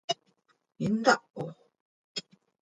¿Intaho?